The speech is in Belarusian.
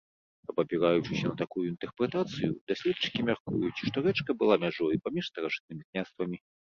Абапіраючыся на такую інтэрпрэтацыю, даследчыкі мяркуюць, што рэчка была мяжою паміж старажытнымі княствамі.